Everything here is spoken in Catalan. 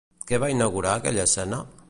Què va inaugurar aquella escena?